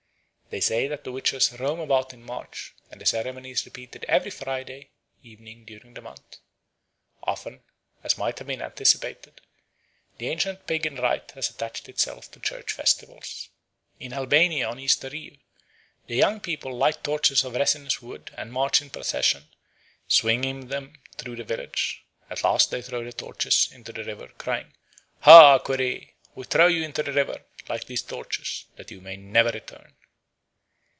They say that the witches roam about in March, and the ceremony is repeated every Friday evening during the month. Often, as might have been anticipated, the ancient pagan rite has attached itself to church festivals. In Albania on Easter Eve the young people light torches of resinous wood and march in procession, swinging them, through the village. At last they throw the torches into the river, crying, "Ha, Kore! we throw you into the river, like these torches, that you may never return."